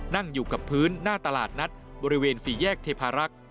นั่งอยู่กับพื้นหน้าตลาดนัดบริเวณสี่แยกเทพารักษ์